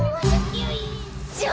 よいしょ！